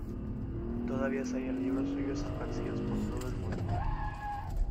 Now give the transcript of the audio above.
Todavía se hallan libros suyos esparcidos por todo el mundo.